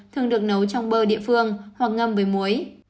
thường được nấu trong bơ địa phương hoặc ngâm với muối